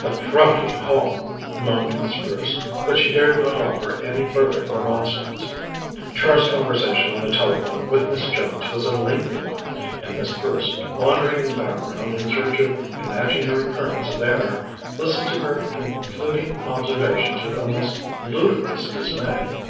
"The draughty hall!" moaned Miss Bruce, but she dared not offer any further remonstrance. Char's conversation on the telephone with Miss Jones was a lengthy one, and Miss Bruce, wandering in the background in search of imaginary currents of air, listened to her concluding observations with almost ludicrous dismay.